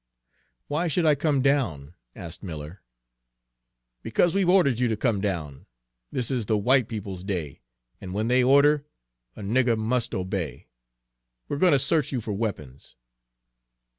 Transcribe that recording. "Why should I come down?" asked Miller. "Because we've ordered you to come down! This is the white people's day, and when they order, a nigger must obey. We're going to search you for weapons."